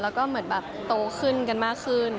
แล้วก็เหมือนแบบโตขึ้นกันมากขึ้น